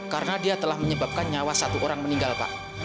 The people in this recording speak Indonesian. karena dia telah menyebabkan nyawa satu orang meninggal pak